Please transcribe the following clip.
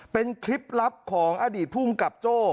เป็นคลิปลับของอดีตภูมิกับโจ้